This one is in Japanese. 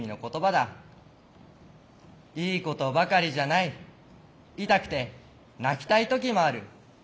いいことばかりじゃない痛くて泣きたい時もある。